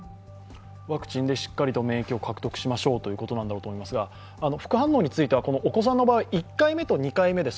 ワクチンでしっかりと免疫を獲得しましょうということだろうと思いますが、副反応については、お子さんの場合１回目と２回目で